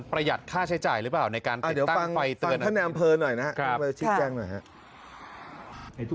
ประหยัดค่าใช้จ่ายหรือเปล่าในการติดตั้งไฟเตือน